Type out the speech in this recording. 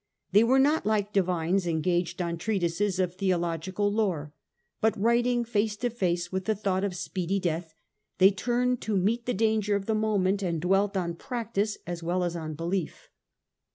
Tlicy were not like divines engaged on treatises of theologic lore ; but, writing face to face with the thought of speedy death, they turned to meet the danger of the moment, and dwelt on practice as well as on belief.